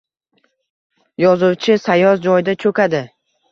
Yozuvchi sayoz joyda cho’kadi.